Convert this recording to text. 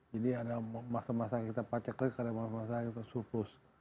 jadi ada masa masa kita pacak pacak ada masa masa kita surplus